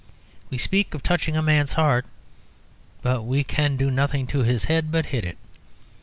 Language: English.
We speak of "touching" a man's heart, but we can do nothing to his head but hit it.